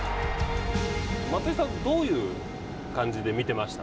松井さん、どういう感じで見てました？